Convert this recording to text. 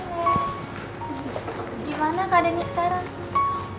nenek gimana keadaannya sekarang